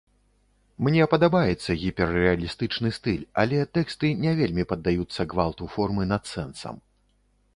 Мне падабаецца гіперрэалістычны стыль, але тэксты не вельмі паддаюцца гвалту формы над сэнсам.